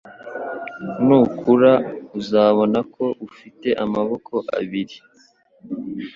Nukura, uzabona ko ufite amaboko abiri,